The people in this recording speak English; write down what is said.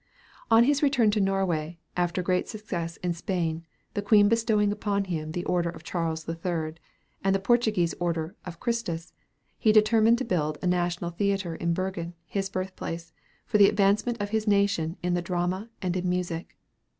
On his return to Norway, after great success in Spain, the Queen bestowing upon him the order of Charles III. and the Portuguese order of Christus, he determined to build a National Theatre in Bergen, his birthplace, for the advancement of his nation in the drama and in music.